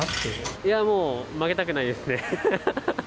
いやもう、負けたくないです